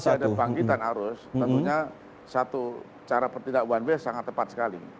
kalau masih ada bangkitan arus tentunya satu cara pertindak one way sangat tepat sekali